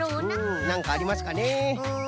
んなんかありますかね。